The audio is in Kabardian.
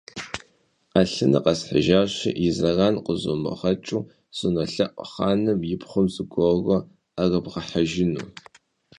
Ӏэлъыныр къэсхьыжащи, и зэран къызумыгъэкӀыу, сынолъэӀу, хъаным и пхъум зыгуэрурэ Ӏэрыбгъэхьэжыну.